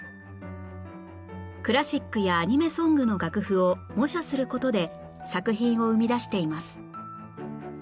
クラシックやアニメソングの楽譜を模写する事で作品を生み出しています